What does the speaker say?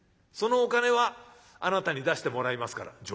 そのお金はあなたに出してもらいますから」。